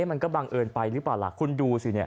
มันก็บังเอิญไปหรือเปล่าล่ะคุณดูสิเนี่ย